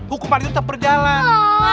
hukuman itu tetap berjalan